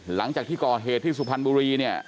หลังจากที่ก่อเหตุที่สุพรรณบุรีเนี่ย